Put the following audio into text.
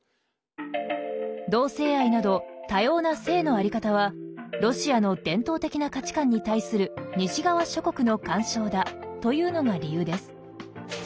同性愛など多様な性の在り方はロシアの伝統的な価値観に対する西側諸国の干渉だというのが理由です。